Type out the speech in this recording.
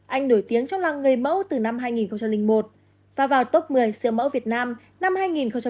anh nổi tiếng trong làng người mẫu từ năm hai nghìn một và vào top một mươi siêu mẫu việt nam năm hai nghìn một mươi